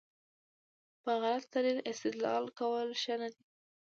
په غلط دلیل استدلال کول ښه نه دي.